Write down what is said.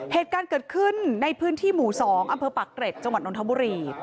เหตุการณ์เกิดขึ้นในพื้นที่หมู่๒อำเภอปากเกร็ดจังหวัดนทบุรี